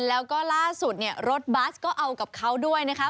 แล้วก็ล่าสุดเนี่ยรถบัสก็เอากับเขาด้วยนะคะ